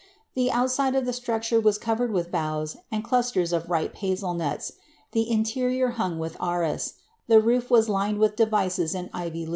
The outside of the structure was d with boughs, and clusters of ripe hazel nnts ; the iaterior bu^ rras ; the roof was lined with devices in ivy \ea.